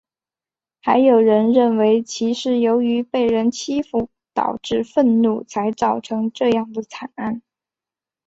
还有人认为其是由于被人欺负导致愤怒才造成这样的惨案。